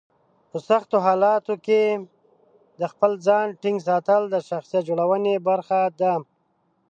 په سختو حالاتو کې د خپل ځان ټینګ ساتل د شخصیت جوړونې برخه ده.